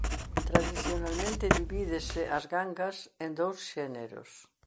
Tradicionalmente divídese ás gangas en dous xéneros.